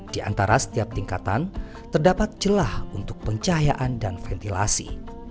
di antara setiap tingkatan terdapat celah untuk pencahayaan dan ventilasi